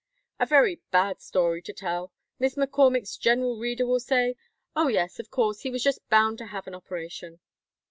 "A very bad story to tell. Miss McCormick's general reader will say : 'Oh yes, of course, he was just bound to have an operation.'"